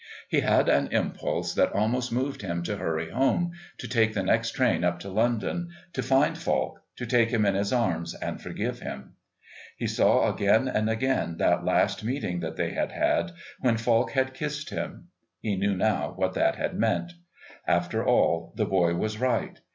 He had an impulse that almost moved him to hurry home, to take the next train up to London, to find Falk, to take him in his arms and forgive him. He saw again and again that last meeting that they had had, when Falk had kissed him. He knew now what that had meant. After all, the boy was right.